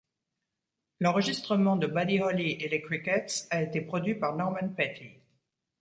L'enregistrement de Buddy Holly et les Crickets a été produit par Norman Petty.